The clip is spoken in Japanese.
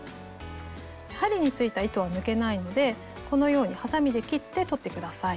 針についた糸は抜けないのでこのようにはさみで切って取って下さい。